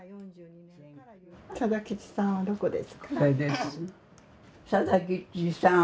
定吉さんはどこですか？